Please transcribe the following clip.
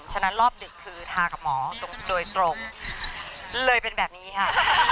ฉะนั้นรอบดึกคือทากับหมอตรงโดยตรงเลยเป็นแบบนี้ค่ะ